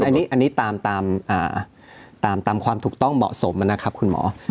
อันนี้ตามความถูกต้องเหมาะสมนะครับคุณหมอ